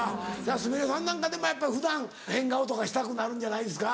すみれさんなんかでもやっぱ普段変顔とかしたくなるんじゃないですか？